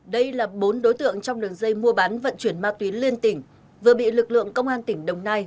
đây là bốn đối tượng trong đường dây mua bán vận chuyển ma túy liên tỉnh vừa bị lực lượng công an tỉnh đồng nai